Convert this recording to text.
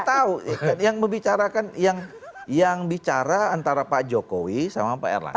saya gak tau yang bicara antara pak jokowi sama pak erlangga